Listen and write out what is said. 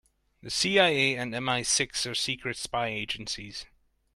The CIA and MI-Six are secret spy agencies.